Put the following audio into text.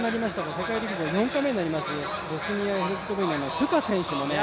世界陸上４回目になりましたボスニア・ヘルツェコビナのトゥカ選手